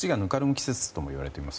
季節ともいわれます。